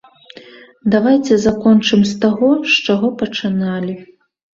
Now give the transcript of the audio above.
Давайце закончым з таго, з чаго пачыналі.